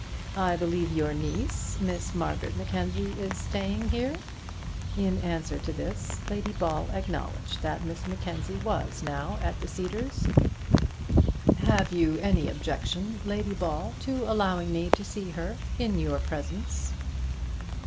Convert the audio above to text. I believe your niece, Miss Margaret Mackenzie, is staying here?" In answer to this, Lady Ball acknowledged that Miss Mackenzie was now at the Cedars. "Have you any objection, Lady Ball, to allowing me to see her in your presence?"